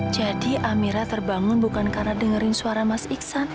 jadi amirah terbangun bukan karena dengerin suara mas iksan